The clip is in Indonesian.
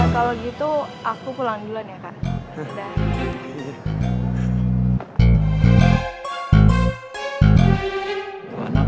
kalau gitu aku pulang bulan ya kak